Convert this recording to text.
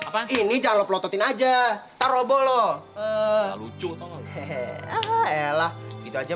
pisah tau habit harusnya